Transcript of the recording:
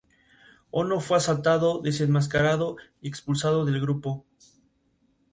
Formando parte del grupo, Candy.